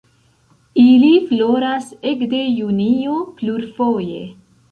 Ili floras ekde junio plurfoje.